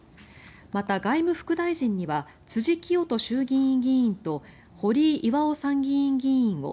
また、外務副大臣には辻清人衆議院議員と堀井巌参議院議員を。